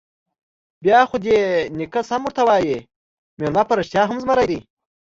_بيا خو دې نيکه سم ورته وايي، مېلمه په رښتيا هم زمری دی.